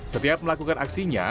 setiap melakukan aksinya